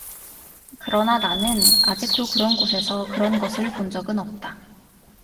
그러나 나는 아직도 그런 곳에서 그런 것을 본 적은 없다.